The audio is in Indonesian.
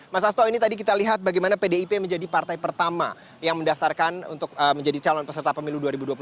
mas hasto ini tadi kita lihat bagaimana pdip menjadi partai pertama yang mendaftarkan untuk menjadi calon peserta pemilu dua ribu dua puluh empat